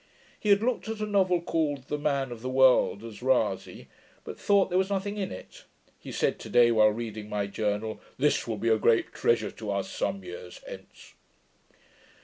He had looked at a novel, called The Man of the World, at Rasay, but thought there was nothing in it. He said to day, while reading my Journal, 'This will be a great treasure to us some years hence.'